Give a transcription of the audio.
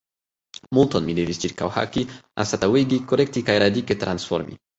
Multon mi devis ĉirkaŭhaki, anstataŭigi, korekti kaj radike transformi.